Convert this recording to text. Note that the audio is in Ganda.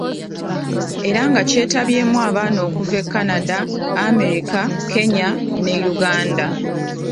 Era nga kyetabyemu abaana okuva e Canada, Amerika, Kenya ne Uganda.